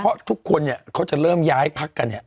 เพราะทุกคนเนี่ยเขาจะเริ่มย้ายพักกันเนี่ย